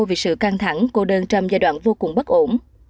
vì sự căng thẳng của đơn trong giai đoạn vô cùng bất ổn